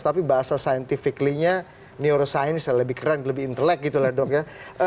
tapi bahasa scientifically nya neuroscience lebih keren lebih intelek gitu lah dok ya